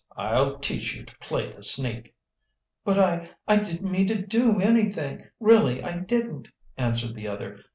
"I'll teach you to play the sneak!" "But I I didn't mean to do anything, really I didn't," answered the other.